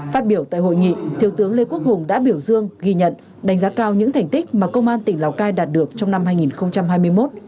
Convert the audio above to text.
phát biểu tại hội nghị thiếu tướng lê quốc hùng đã biểu dương ghi nhận đánh giá cao những thành tích mà công an tỉnh lào cai đạt được trong năm hai nghìn hai mươi một